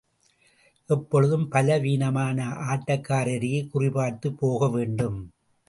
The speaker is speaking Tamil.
எப்பொழுதும் பலவீனமான ஆட்டக்காரரையே குறிபார்த்துப் போக வேண்டும்.